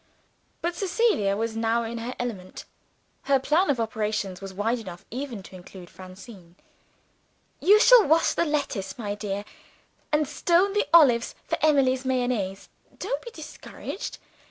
But Cecilia was now in her element. Her plan of operations was wide enough even to include Francine. "You shall wash the lettuce, my dear, and stone the olives for Emily's mayonnaise. Don't be discouraged!